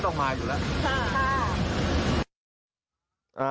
ค่ะ